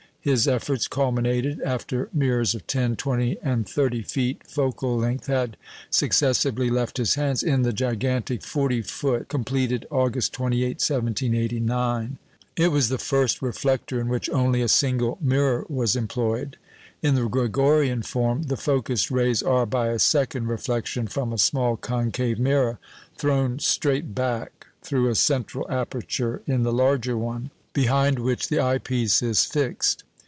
His efforts culminated, after mirrors of ten, twenty, and thirty feet focal length had successively left his hands, in the gigantic forty foot, completed August 28, 1789. It was the first reflector in which only a single mirror was employed. In the "Gregorian" form, the focussed rays are, by a second reflection from a small concave mirror, thrown straight back through a central aperture in the larger one, behind which the eye piece is fixed.